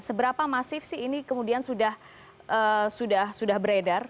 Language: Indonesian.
seberapa masif sih ini kemudian sudah beredar